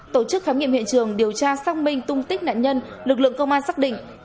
tổ chức khám nghiệm hiện trường điều tra xác minh tung tích nạn nhân lực lượng công an xác định